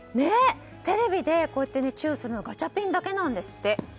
テレビでこうやってチューするのガチャピンだけなんですって。